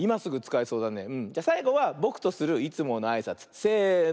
じゃさいごはぼくとするいつものあいさつ。せの。